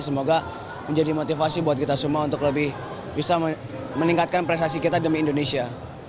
semoga menjadi motivasi buat kita semua untuk lebih bisa meningkatkan prestasi kita demi indonesia